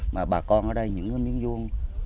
mà bà con ở đây những miếng vuông